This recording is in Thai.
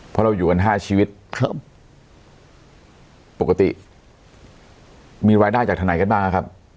เพราะเราอยู่กันห้าชีวิตครับปกติมีรายได้จากทางไหนกันบ้างครับ